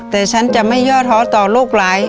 แต่ฉันจะไม่ย่อท้อต่อโรคร้าย